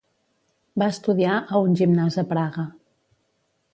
Va estudiar a un gimnàs a Praga.